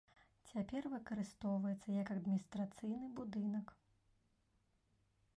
Цяпер выкарыстоўваецца як адміністрацыйны будынак.